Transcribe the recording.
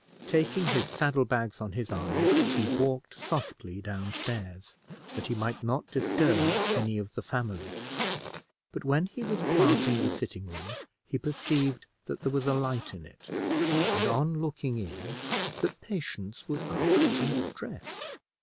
Taking his saddle bags on his arm, he walked softly down stairs, that he might not disturb any of the family; but when he was passing the sitting room, he perceived that there was a light in it, and, on looking in, that Patience was up and dressed.